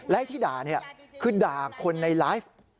และไอ้ที่ด่าคือด่าคนในไลฟ์